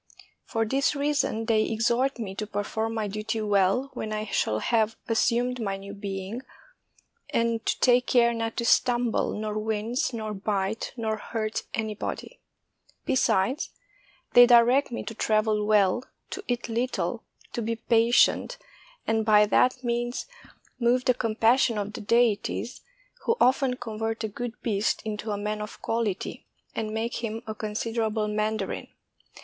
For this rea son they exhort me to perform my duty well, when I shall have assumed my new being, and to take care not to stumble, nor wince, nor bite, nor hurt anybody. Be sides, they direct me to travel well, to eat little, to be i66 AFRAID OF BECOMING A HORSE patient, and by that means move the compassion of the deities, who often convert a good beast into a man of quality, and make him a considerable mandarin.